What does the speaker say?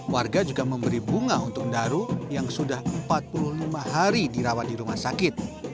warga juga memberi bunga untuk daru yang sudah empat puluh lima hari dirawat di rumah sakit